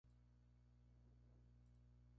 Pepita y Godoy lo harán más tarde.